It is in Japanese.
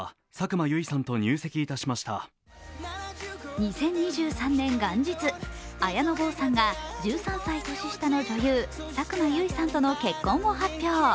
２０２３年元日、綾野剛さんが１３歳年下の女優佐久間由衣さんとの結婚を発表。